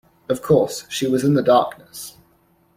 Of course, she was in the darkness.